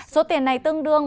số tiền này tương đương